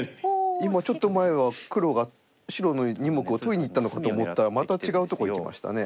今ちょっと前は黒が白の２目を取りにいったのかと思ったらまた違うとこいきましたね。